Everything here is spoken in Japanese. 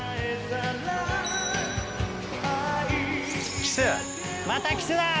キスまたキスだ